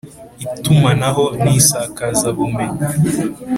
Itumanaho n Isakazabumenyi